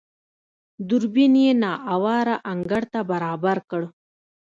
دوربين يې نااواره انګړ ته برابر کړ.